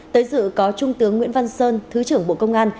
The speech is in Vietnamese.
tới dự có trung tướng nguyễn văn sơn thứ trưởng bộ công an